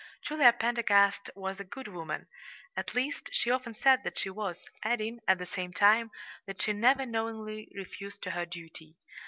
Julia Pendergast was a good woman. At least she often said that she was, adding, at the same time, that she never knowingly refused to do her duty.